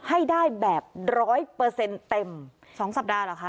ให้ได้แบบร้อยเปอร์เซ็นต์เต็ม๒สัปดาห์เหรอคะ